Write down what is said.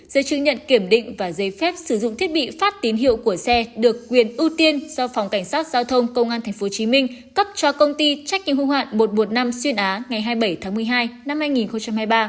giấy chứng nhận kiểm định và giấy phép sử dụng thiết bị phát tín hiệu của xe được quyền ưu tiên do phòng cảnh sát giao thông công an tp hcm cấp cho công ty trách nhiệm hưu hạn một trăm một mươi năm xuyên á ngày hai mươi bảy tháng một mươi hai năm hai nghìn hai mươi ba